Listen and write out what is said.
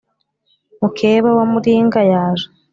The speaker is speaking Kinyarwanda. mukeba wa muringa yaje